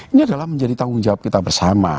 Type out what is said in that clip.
ini adalah menjadi tanggung jawab kita bersama